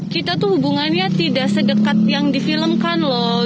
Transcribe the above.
kita tuh hubungannya tidak se dekat yang di filmkan loh